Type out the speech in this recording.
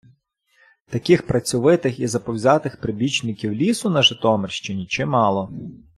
Таких працьовитих і заповзятих прибічників лісу на Житомирщині чимало.